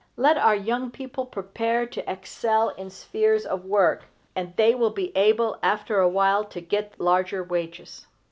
Let our young people prepare to excel in spheres of work, and they will be able, after a while, to get larger wages.